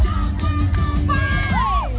ไม่มีเรียบร้อยแล้ว